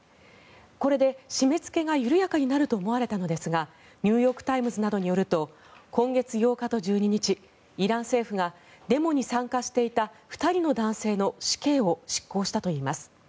これで締めつけが緩やかになると思われたのですがニューヨーク・タイムズなどによると、今月８日と１２日イラン政府がデモに参加していた２人の男性の死刑を執行したといいます。